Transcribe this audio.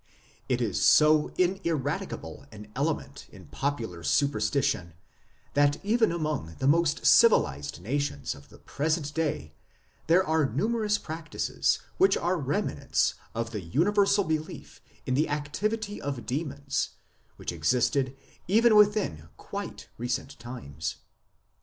It is so ineradicable an element in popular superstition that 24 THE DEMONOLOGY OF THE SEMITES 25 even among the most civilized nations of the present day there are numerous practices which are remnants of the universal belief in the activity of demons which existed even within quite recent times.